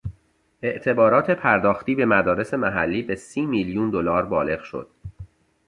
اعتبارات پرداختی به مدارس محلی به سی میلیون دلار بالغ شد.